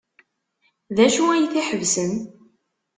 D acu ay t-iḥebsen?